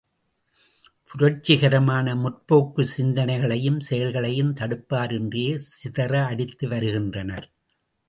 புரட்சிகரமான முற்போக்குச் சிந்தனைகளையும் செயல்களையும் தடுப்பாரின்றியே சிதற அடித்து வருகின்றனர்.